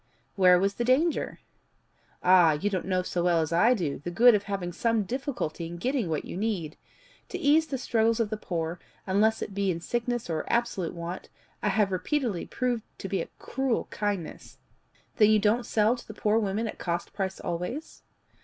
"Where was the danger?" "Ah, you don't know so well as I do the good of having some difficulty in getting what you need! To ease the struggles of the poor, unless it be in sickness or absolute want, I have repeatedly proved to be a cruel kindness." "Then you don't sell to the poor women at cost price always?"